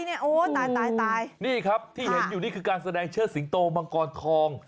นี่ครับที่เห็นอยู่นี่คือการแสดงเชื้อสิงโตมังกรคลอง